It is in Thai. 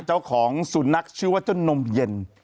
เจ้าของสุนัขชื่อว่าเจ้านมเย็น